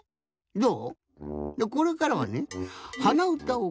どう？